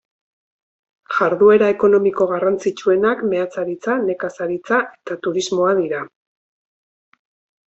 Jarduera ekonomiko garrantzitsuenak meatzaritza, nekazaritza eta turismoa dira.